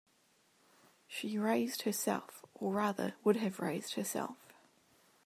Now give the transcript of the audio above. She raised herself, or rather would have raised herself.